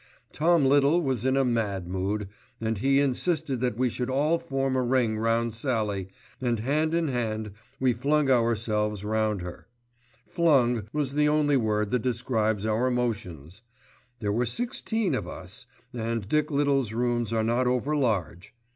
Tom Little was in a mad mood, and he insisted that we should all form a ring round Sallie, and hand in hand we flung ourselves round her; "flung" was the only word that describes our motions. There were sixteen of us, and Dick Little's rooms are not over large.